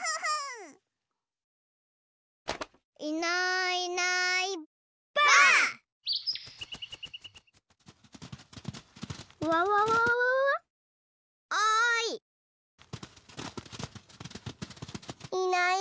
いないいない。